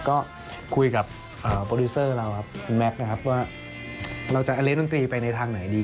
ก็คุยกับโปรดิวเซอร์เราครับคุณแม็กซ์นะครับว่าเราจะเล่นดนตรีไปในทางไหนดี